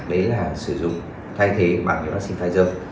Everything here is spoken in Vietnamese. đấy là sử dụng thay thế bằng cái vaccine pfizer